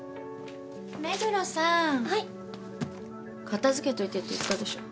片づけといてって言ったでしょ。